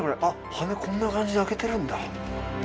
羽こんな感じで開けてるんだ。